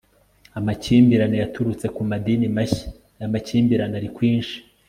amakimbirane yaturutse ku madini mashya aya makimbirane ari kwinshi